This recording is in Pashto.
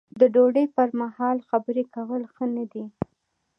د ډوډۍ پر مهال خبرې کول ښه نه دي.